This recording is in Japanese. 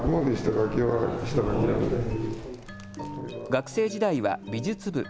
学生時代は美術部。